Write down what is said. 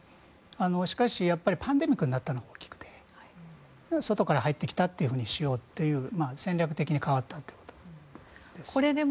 しかし、パンデミックになったのが大きくて外から入ってきたというふうにしようと戦略的に変わったということです。